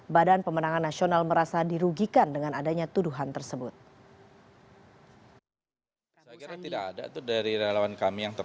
badan pemenangan nasional merasa dirugikan dengan adanya tuduhan tersebut